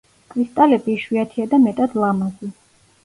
კრისტალები იშვიათია და მეტად ლამაზი.